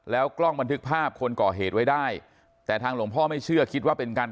กล้องบันทึกภาพคนก่อเหตุไว้ได้แต่ทางหลวงพ่อไม่เชื่อคิดว่าเป็นการ